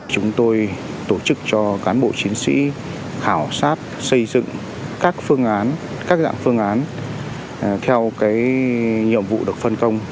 chúng tôi tổ chức cho cán bộ chiến sĩ khảo sát xây dựng các phương án các dạng phương án theo nhiệm vụ được phân công